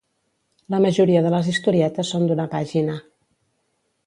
La majoria de les historietes són d'una pàgina.